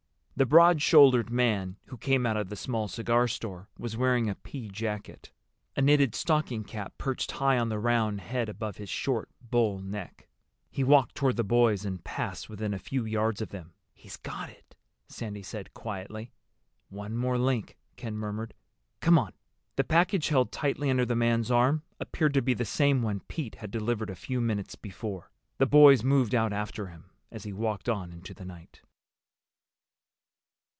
The broad shouldered man who came out of the small cigar store was wearing a pea jacket. A knitted stocking cap perched high on the round head above his short bull neck. He walked toward the boys and passed within a few yards of them. "He's got it," Sandy said quietly. "One more link," Ken murmured. "Come on." The package held tightly under the man's arm appeared to be the same one Pete had delivered a few minutes before. The boys moved out after him as he walked on into the night.